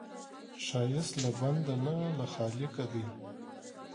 ښایست له بنده نه، له خالقه دی